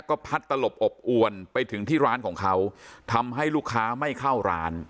ก็พัดตลบอบอวนไปถึงที่ร้านของเขาทำให้ลูกค้าไม่เข้าร้าน